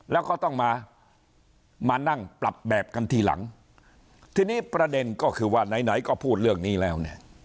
แล้วก็ต้องมามานั่งปรับแบบกันทีหลังทีนี้ประเด็นก็คือว่าไหนไหนก็พูดเรื่องนี้แล้วเนี่ย